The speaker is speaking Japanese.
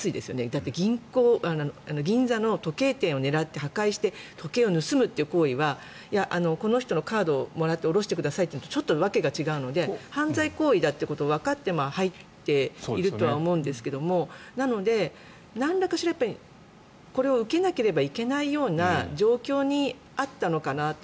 だって、銀座の時計店を狙って破壊して時計を盗むという行為はこの人のカードをもらって下ろしてくださいというのとちょっと訳が違うので犯罪行為だということをわかって入っているとは思うんですけどなので、なんらかこれを受けなければいけないような状況にあったのかなと。